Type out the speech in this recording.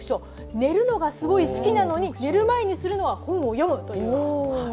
寝るのがすごい好きなのに寝る前にするのは本を読むという。